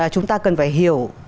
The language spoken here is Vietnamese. chúng ta cần phải hiểu